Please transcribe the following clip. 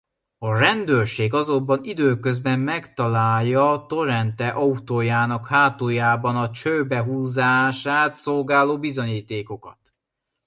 A rendőrség azonban időközben megtalálja Torrente autójának hátuljában a csőbe húzását szolgáló bizonyítékokat.